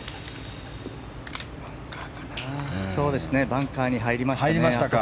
バンカーに行きましたか。